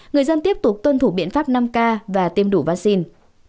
người dân tiếp tục tuân thủ biện pháp năm k và tiêm đủ vaccine